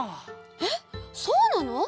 えっそうなの？